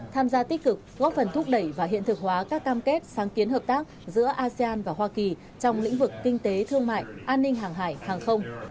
tham gia tích cực góp phần thúc đẩy và hiện thực hóa các cam kết sáng kiến hợp tác giữa asean và hoa kỳ trong lĩnh vực kinh tế thương mại an ninh hàng hải hàng không